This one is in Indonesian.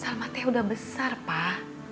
salma teh udah besar pak